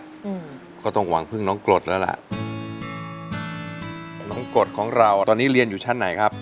อืมก็ต้องหวังพึ่งน้องกรดแล้วล่ะน้องกรดของเราตอนนี้เรียนอยู่ชั้นไหนครับ